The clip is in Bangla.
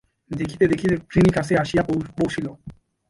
দেখিতে দেখিতে রুক্মিণী কাছে আসিয়া পৌঁছিল।